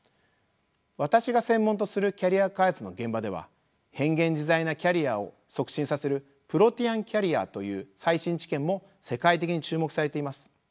私が専門とするキャリア開発の現場では変幻自在なキャリアを促進させるプロティアン・キャリアという最新知見も世界的に注目されています。